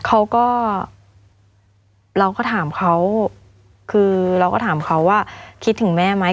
เขาก็เราก็ถามเขาคือเราก็ถามเขาว่าคิดถึงแม่ไหม